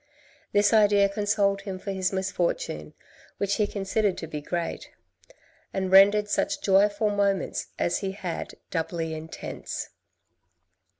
This idea consoled him for his misfortune, which he considered to be great, and rendered such joyful moments as he had doubly intense.